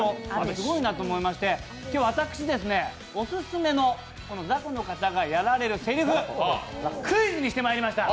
すごいなと思いまして私、オススメの雑魚の方がやられるせりふをクイズにしてまいりました。